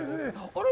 あれ？